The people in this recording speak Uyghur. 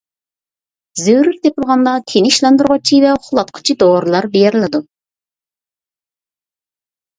زۆرۈر تېپىلغاندا تىنچلاندۇرغۇچى ۋە ئۇخلاتقۇچى دورىلار بېرىلىدۇ.